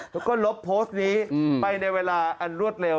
แล้วก็ลบโพสต์นี้ไปในเวลาอันรวดเร็ว